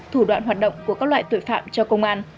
thủ đoạn hoạt động của các loại tội phạm cho công an